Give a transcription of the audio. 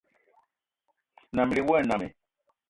Na melig wa e nnam i?